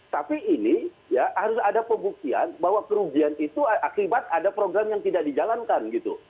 tapi ini ya harus ada pembuktian bahwa kerugian itu akibat ada program yang tidak dijalankan gitu